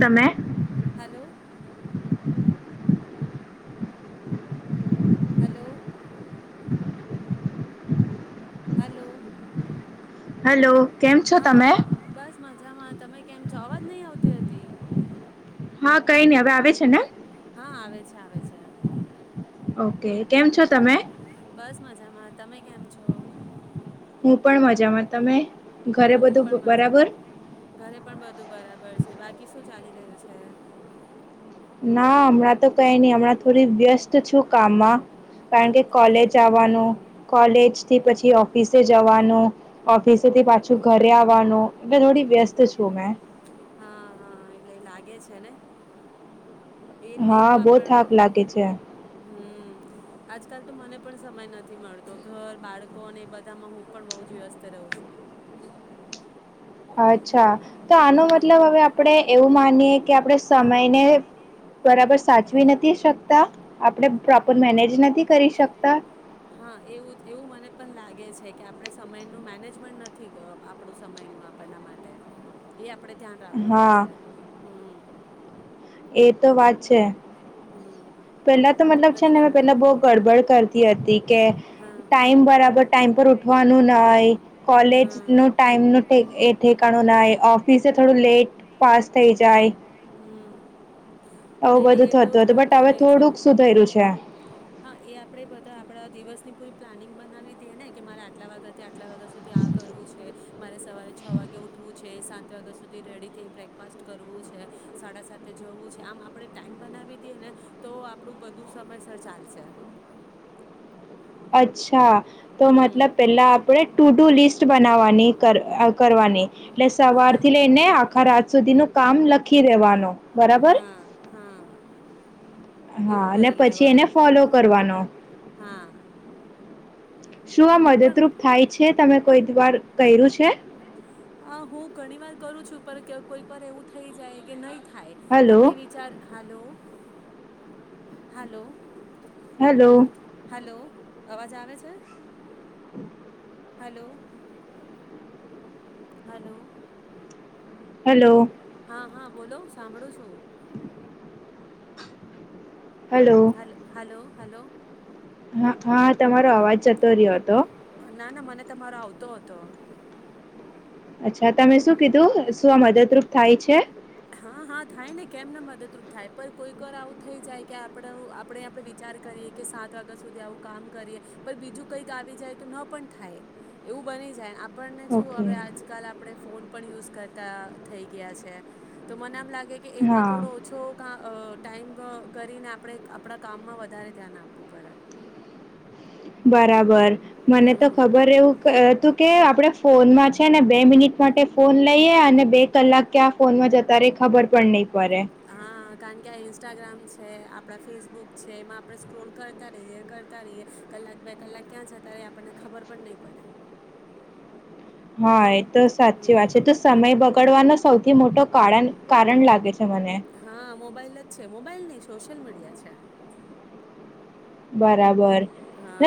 તમે hello hello hello hello હા બસ મજામાં તમે કેમ છો અવાજ નહી આવતી હતી. હા કઈ નઈ હવે આવે છે ને હા આવે છે આવે છે. ઓકે. કેમ છો હા તમે? બસ મજામાં તમે કેમ છો? હું પણ મજામાં તમે ઘરે તમે બધું બ- પણ મજા બરાબર ઘરે પણ બધું બધું બરાબર છે, બાકી શું ચાલી રહ્યું છે. ના હમણાં તો કઈ નહી હમણાં થોડી વ્યસ્ત છું કામમાં કારણ કે અ- કોલેજ આવવાનું કોલેજ થી પછી ઓફિસે જવાનું ઓફિસેથી પાછું ઘરે આવવાનું એટલે થોડી વ્યસ્ત હમ છું મેં હા હા એલે લાગ્યું કે છે ને એ એ તો હા બહુ આપણ થાક લાગે છે. હમ આજકાલ તો મને પણ સમય નથી મળતો ઘર બાળકો અને એ બધામાં હું પણ બહુ જ વ્યસ્ત રહું છું. અચ્છા તો આનો હમ મતલબ હવે આપણે એવું માનીએે કે આપણે સમયને બરાબર સાચવી નથી શકતા આપણે પ્રોપર મેનેજ નથી કરી શકતા. હા એવું એવું મને પણ લાગે છે કે આપણે સમયનું મેનેજમેન્ટ નથી આપણું સમયનું આપણના માટે એ આપ આપડે ધ્યાન રાખવું હા પડશે હમ એ તો વાત છે. હમ પહેલા તો મતલબ છે ને મે પહેલા બહુ ગડબડ કરતી હિય તીક કે હા ટાઈમ બરાબર ટાઈમ પર ઉઠવાનું નાય કોલેજ હા નું ટાઈમ નું એ ઠેકણો નાહી ઓફિસે થોડું લેટ પાસ થઈ જાય. હમ આવ નહીં નહીં એ બધું તો થતું હતું બટ હવે રહે છે થોડુંક શું સુધર્યું છે. હા એ આપડે બધા આપડા દિવસની પૂરી પ્લાનિંગ બનાવી દઈએ ને કે મારે આટલા વાગ્યા ત્યા આટલા વાગ્યા સુધી આ કરવું છે મારે સવારે છ વાગે ઉઠવું છે સાત તો અગર સુધી રેડી થઈ બ્રેકફાસ્ટ કરવું છે સાડા સાતે જવું છે આમ આપણે ટાઈમ બનાવી દઈએ ને તો આપણું બધું સમય સર ચાલશે અચ્છા તો હમ મતલબ પેલા આપડે ટુ ટુ લિસ્ટ બનાવવાની કર કરવાની એટલે સવાર હા થી લઈને આખા રાત સુધીનું કામ લખી લેવાનો હા હા હા એવું અને કરી પછી એને લેવાનું ફોલો કરવાનો હા [inaudible] શું આ હું પણ મદદરૂપ થાય છે તમે કોઈ દ વાર કર્યું છે હા હું ઘણી વાર કરું છું પણ કોઈ વાર એવું થઈ જાય કે નહી થાયે થાય હલો આપડે વિચાર હાલો હલો હેલો અવાજ આવે છે [inaudible] હલો હલો હેલો હા હા બોલો સાંભળું છું હલો હલો હલો [inaudible] હા તમારો અવાજ જતો રહ્યો હતો ના ના મને તમારો આવતો હતો અચ્છા તમે શું કીધું શું આ મદદરૂપ થાય છે હા હા થાય ને કેમને મદદરૂપ થાય પણ કોઈક વાર આવું થઈ જાય કે આપ આપણે આપડ વિચાર કરીએ કે સાત વાગ્યા સુધી આવું કામ કરીએ પણ બીજું કંઈક આવી જાય તો ન પણ થાય એવું બની જાય ઓકે હવે આજકાલ આપણે ફોન પણ યુઝ કરતા થઈ ગયા છે તો મને એમ લાગે એમાં હા થોડો ઓછો કા અ ટાઈમ કરીને આપણે આપણા કામમા વધારે ધ્યાન આપવું પડે બરાબર મને તો હમ. ખબર એવું તું કે આપણે ફોનમાં છે ને બે મિનિટ માટે ફોન લઈએ અને બે કલાક ક્યાં ફોનમાં જતા ર ખબર પણ નહીં પડે હા કારણ કે આ ઇન્સ્ટાગ્રામ છે આપ આપણા ફેસબુક છે એમાં આપણે સ્ક્રોલ કરતા રહીએ કરતા રહીએ કલાક બે કલાક ક્યાં જતા રહીએ આપણને ખબર પણ નહીં પડે હા તો સાચી વાત છે તો હમ સમય બગાડવાનો સૌથી મોટો કારણ કારણ લાગે છે મને હા મોબાઈલ જ છે મોબાઈલ નહી સોશિયલ મીડિયા છે બરાબર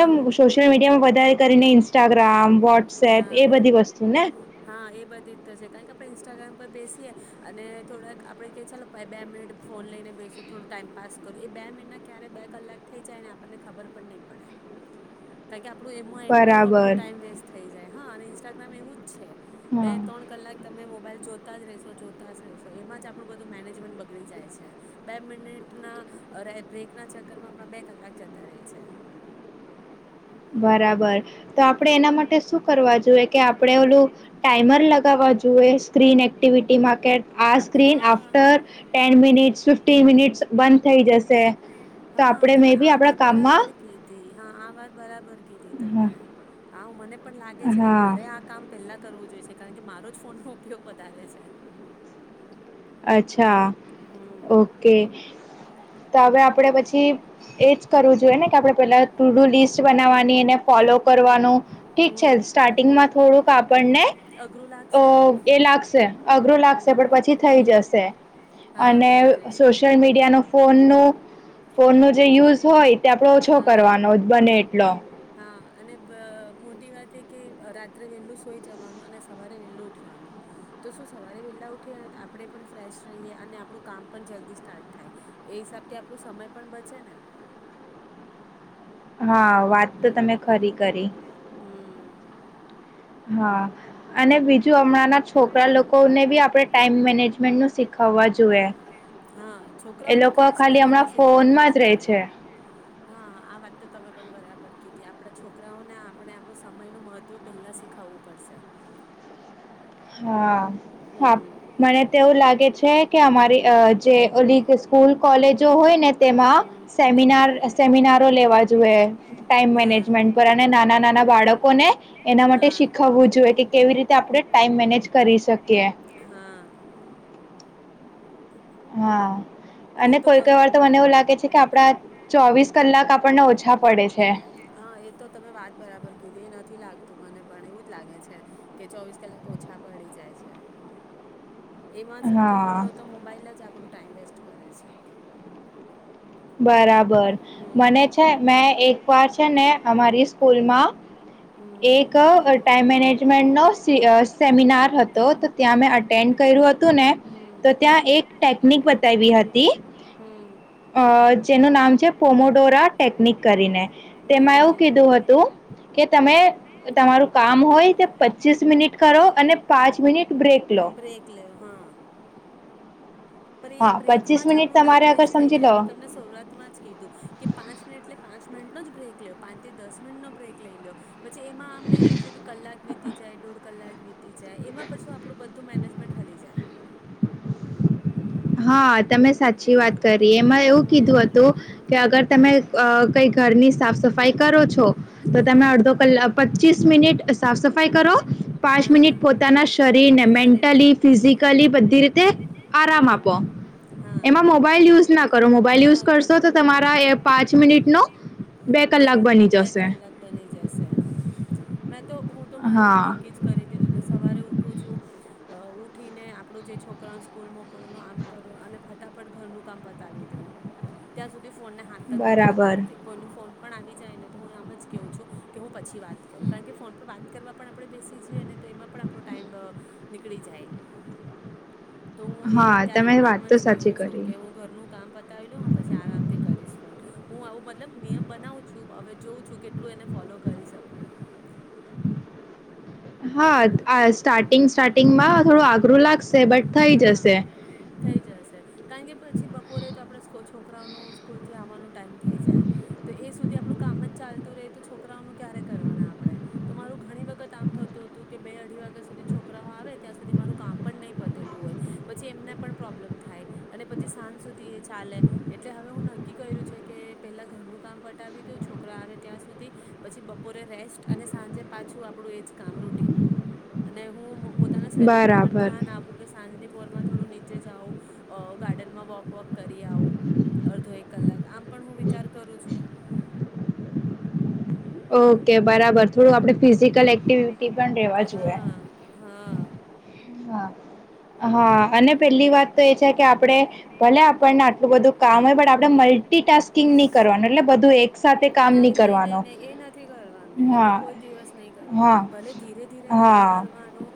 એ સોશિયલ મીડિયામાં વધારે કરીને ઇન્સ્ટાગ્રામ વોટ્સએપ હા એ બધી વસ્તુ ને હા એ બધી તો છે કારણ કે આપ ઇન્સ્ટાગ્રામ પર બેસીએ અને થોડાક આપણે ક ચાલો બે મિનિટ ફોન લઈને બેસું થોડો ટાઈમપસ કરું એ બે મિનિટના ક્યારેય બે કલાક થઈ જાયને આપણને ખબર પણ નહીં પડે કારણ કે આપ આપણું એમાં એટલું બરાબર આપણું ટાઈમ વેસ્ટ થ જાય હા અને ઇન્સ્ટાગ્રામ એવું જ છે બે હા ત્રણ કલાક તમે મોબાઈલ જોતા જ રહેશો જોતા જ રહેશો એમાં જ આપણું બધું મેનેજમેન્ટ બગડી જાય છે બે મિનિટના બ્રેકના ચક્કરમાં આપ બે કલાક જતા રહે છે બરાબર તો આપડે એના માટે શું કરવા જોએ કે આપણે ઓલું ટાઈમર લગાવવા જોઈએ સ્ક્રીન એક્ટિવિટીમાં કે આ સ્ક્રીન હા આફ્ટર ટેન મિટ ફિફ્ટી મિનિટ્સ બંધ થઈ જશે તો હા આપણે મે તમે બી આ આપણા વાત કામમાં બરાબર કીધી હા આ વાત બરાબર કીધ તો હા મેં આ મને પણ લાગે છે કે હા મારે આ કામ પેલા કરવું જોઈ છે કારણ કે મારો જ ફોન ન ઉપયોગ વધારે છે અચ્છા હમ ઓકે તો હવે આપડે પછી એજ કરવું જોઈએ ને કે આપણે પેલા [unintelligible] લિસ્ટ બનાવવાની એને ફોલો કરવાનું ઠીક છે હમ સ્ટાર્ટિંગ માં થોડુંક આપને અઘરું લાગશે એ લાગશે અઘરું લાગશે હમ પણ પછી હમ જ હા અને થઈ જશે સોશિયલ મીડિયાનો ો ફોન ન જે યુઝ હોય તે આપડો ઓછો હા કરવાનો જ બને એટલો હા અને બ મોટી વાત એ કે રાત્રે વેહેલું સોઈ જવાનું અને સવારે વેલું ઉઠવાનું તો શું સવારે વેલા ઉઠીએ ને આપણે પણ ફ્રેશ રહીએ અને આપણું કામ પણ જલ્દી સ્ટાર્ટ થાય એ હિસાબથી આપણું સમય પણ બચે ને હા વાત તો તમે હમ ખરી કરી હમ હા અને બીજું હમણાંના છોકરા લોકોને બી આપણે ટાઈમ મેનેજમેન્ટ નું શીખવવા જોઈએ હા એ છોકરાઓને લોકો ખાસ ખાલી કરીને હમણાં શીખાડવું ફોનમાં જ રહે જોઈએ છે હા આ વાત તો તમે પણ બરાબર કીધી આપડા છોકરાઓને આપણે આપણું સમય નું મહત્વ પેલા શીખાવવું પડશે હા હા હમ મને તોવું લાગે છે કે અમારી અ જે ઓલી સ્કૂલ કોલેજો હોય ને તેમાં હમ સેમિનાર સેમિનાર લેવા જુવે ટાઈમ હા મેનેજમેન્ટ પર અને નાના નાના બાળકોને એના માટે હા શીખવવું જોઈએ કે કેવી રીતે આપડે ટાઈમ મેનેજ કરી શકે હા. હા. અને એ તો કોઈ કઈ વાર કરવું તો મને એવું લાગે છે કે આપડા ચોવીસ કલાક આપણને ઓછા પડે છે. હા એ તો તમે વાત બરાબર કીધી એ નથી લાગતું મને પણ એવું જ લાગે છે કે ચોવીસ કલાક ઓછા પડી જાય છે. એમાં સૌથી હા મોટો તો મોબાઈલ જ આપડો ટાઈમ વેસ્ટ કરે છે. બરાબર મને હમ છે મે એક વાર ને અમારી સ્કૂલ માં હમ એક ટાઈમ મેનેજમેન્ટ નો સે સેમિનાર હતો તો ત્યાં મેં અટેન્ડ કર્યું હતું ને હમ તો ત્યાં એક ટેકનિક બતાવી હતી હમ. અ જેનું નામ છે પોમોડોરા ટેકનિક કરીને. તેમાં હમ એવું કીધું હમ હતું કે તમે તમારું કામ હોય તે પચીસ મિનિટ કરો અને પાંચ મિનિટ બ્રેક લો બ્રેક લેવો હા. પણ એ હા પચીસ બ્રેકમાં જ મિનિટ આપણું ટાઈમ તમારે અગર વેસ્ટ થઈ સમજી જાય લો હું તમને શરૂઆતમાં જ કીધું કે પાંચ મિનિટ એટલે પાંચ મિનિટ ન જ બ્રેક લ્યો પાંચથી દસ મિનટ નો બ્રેક લઈ લઇ લ્યો. પછી એમાં આમ નહી થયું કે કલાક વીતી જાય દોઢ કલાક વીતી જાય એમાં પછું આપણું બધું મેનેજમેન્ટ હલી જાય. હા તમે સાચી વાત કરી એમાં એવું હમ કીધું હતું કે અગર તમે કઇ કંઈ ઘરની સાફ સફાઈ કરો છો તો તમે અડધો હમ કલાક પચીસ મિનટ સાફ સફાઈ કરો પાંચ મિનિટ હા પોતાના શરીરને શરીરને મેન્ટલી ફિઝિકલી બધીરીત આરામ હમ આપો હા એમા મોબાઈલ યુઝ ના કરો મોબાઈલ ન યુઝ કરશો કરો તો તમારા પાંચ મિનિટ નું હા બે કલાક બની જશે. મેં તો હું તો હા મારે નક્કી જ કરી દીધું સવારે ઉઠું છું. અ ઉઠી ને, આપણું જે છોકરાને સ્કૂલ મો. [unintelligible] આમ કરો અને ઘરનું કામ પતાવી દેવું. ત્યાં સુધી ફોનને હાથ જ નથી બરાબર લગાડતી. કોઈનું ફોન આવી જાયને તો હું આમ જ કવું છું કે હું પછી વાત કરું. કારણ કે ફોન પર વાત કરવા પણ આપણે બેસી જઈએ અને તો એમાં પણ આપણો ટાઈઇમ તે જાય તો હું એ હા ત્યારે તમે પણ આમ વાત તો જ સાચી કેવું છું કરી કે હું ઘરનું કામ પતાવી લઉ પછી આરામથી કરીશ ફોન. હું આવું બતલબ નિયમ હવે જોઉં છું કેટલું એને ફોલો કરી શકું. હા આ સ્ટાર્ટિંગ સ્ટાર્ટિંગમાં થોડું આગરું લાગશે. બટ થઈ હા જશે થઈ જશે કારણ કે પછી બપોરે તો આપડે સ્ છોકરાઓનું સ્કૂલથી આવવાનો ટાઈમ થઈ જાય તો એ સુધી આપણું કામ જ ચાલતું રહે તો છોકરાઓનું ક્યારે કરવાના આપણે તો મારું ઘણી વખત આમ થતું હતું કે બે અઢી વાગ્યા સુધી છોકરાઓ આવે ત્યાં સુધી મારું કામ પણ નહીં પતું ટેલું હોય પછી એમને પણ પ્રોબ્લેમ થાય અને પછી સાંજ સુધી એ ચાલે એટલે હવે હું નક્કી કર્યું છે કે પહેલાં ઘરનું કામ પટાવી દઉં છોકરા આવે ત્યાં સુધી પછી બપોરે રેસ્ટ અને સાંજે પાછું આપણું એ જ કામ રૂટીન અને હું પોતાના શરીરમાં પણ બરાબર ધ્યાન આપ રની પોરમાં થોડું નીચે જાવું, ગાર્ડનમાં વોક વોક કરી આવ. વધો એક કલાક. આમ પણ હું વિચાર કરું છું. ઓકે બરાબર. થોડું આપડણે ફિઝિકલ એક્ટિવ ટી પણ રહેેવા જોયા. હા હા હા હા અને પેલી વાત તો એ છે કે આપડે ભલે આપણને આટલું બધું કામ હોય પણ આપડે મલ્ટીટાસ્કિંગ નહી કરવાનું. એટલે બધું એક સાથે કામ નાઈ નહીં નાઈ નઈ કરવાનો નઈ એ નથી કરવાનું. એ તો હા કોઈ દિવસ નહી હા કરવાનું. ભલે ધીરે ધીરે કામ હા કરવાનું.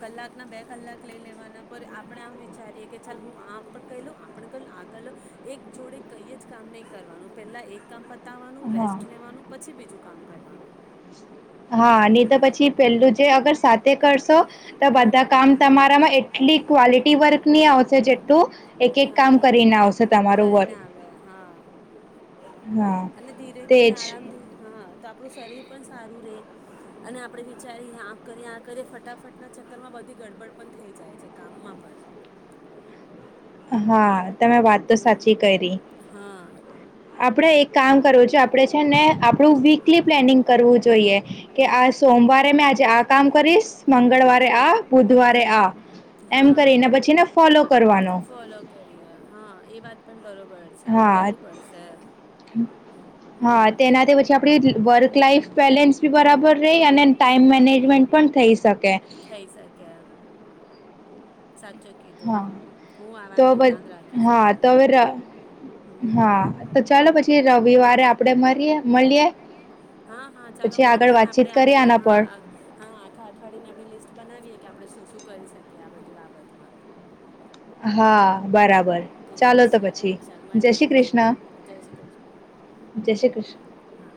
કલાકના બે કલાક લઈ લેવાના પર આપણે આમ વિચારીએ કે ચાલ હું આ પણ કહી લઉ આપણે કહીલઉ આ કલો એક જોડે કંઈ જ કામ નહીં કરવાનું પહેલાં એક કામ પ તાવાનું હા રેસ્ટ લેવાનું પછી બીજું કામ કરવાનું. હા નહી તો પછી પેલું જે અગર સાથે કરશો. તો બધા હમ કામ તમારામાં એટલી ક્વલિટી વર્ક ની આવ છે જેટલું એક એક કામ હા કરીને આવશે તમારું કરીને વર્ક આવે. હા હા અને ધીરે ધીરે તેજ આરામથી હા. તો આપડું શરીર પણ સારું રહીયે અને આપણે વિચારીએ આ કરીએ આ કરીએ ફટાફટના ચક્કર માં બધી ગડબડ પણ થઈ જાય છે. કામમાં પણ. હા તમે વાત તો સાચી કરી. હમ હા આપડે એક કામ કરું છે. આપણેે છે ને આપણું વીકલી પ્લેનિંગ કરવું જોઈએ કે આ સોમવારે મેં આજે આ કામ કરીશ મંગળવારે હમ આ, બુધવારે આ, એમ કરીને હા પછીને ફોલો કરવાનો. [unintelligible] હા એ વાત પણ બરોબર છે આવું હા કરવું પડશે હા હમ તેના [unintelligible] પછી આપડી વર્ષ લાાઈફ બેલેન્સ બી બરાબર રેય અને ટાઈમ મેનેજમેન્ટ પણ થઈ શકે. થઇ શકે. સાચું કીધું હા હું આ તો વાતનું ધ્યાન રાખીશ હા હવે તો અવે ર હમ હા ચાલો પછી રવિવારે આપડે મરીયે મલીએે. હા હા ચાલો મડીએ ને આપડે આખી આના હા પર. આખા અઠવાડિયને આપણે લિસ્ટ બનાવીએ. કે આપણે શું શું કરી શકીએ. આ બધી બાબતમાં હા. હા બરાબર ઠીક ચાલો તો છે. પછી ચાલ જય મળીએ શ્રી પછી કૃષ્ણ આપણે જય શ્રી ક્રિષ્ના જય શ્રી કૃષ્ણ હા.